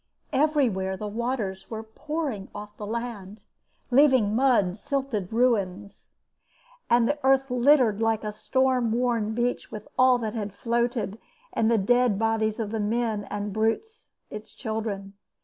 Everywhere the waters were pouring off the land, leaving mud silted ruins, and the earth littered like a storm worn beach with all that had floated, and the dead bodies of the men and brutes, its children.